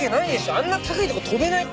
あんな高いとこ跳べないって。